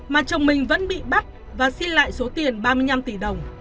mà chồng mình vẫn bị bắt và xin lại số tiền ba mươi năm tỷ đồng